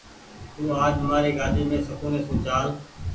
تو آج مآري گآڏي مين سڪونيٚ سون چآل۔